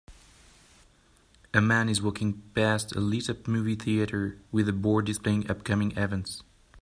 A man is walking past a lit up movie theater, with a board displaying upcoming events.